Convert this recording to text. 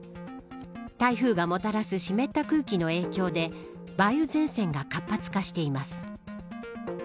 台風がもたらす湿った空気の影響で梅雨前線が活発化しています。